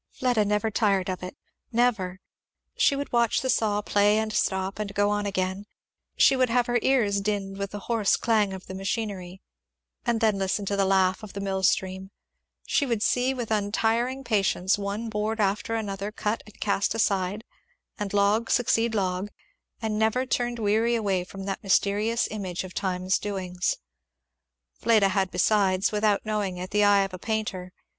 Fleda never tired of it never. She would watch the saw play and stop, and go on again; she would have her ears dinned with the hoarse clang of the machinery, and then listen to the laugh of the mill stream; she would see with untiring patience one board after another cut and cast aside, and log succeed to log; and never turned weary away from that mysterious image of Time's doings. Fleda had besides, without knowing it, the eye of a painter.